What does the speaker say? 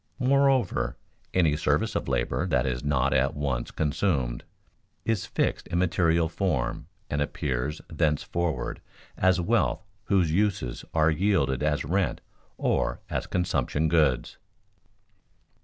Moreover any service of labor that is not at once consumed is fixed in material form and appears thenceforward as wealth whose uses are yielded as rent or as consumption goods.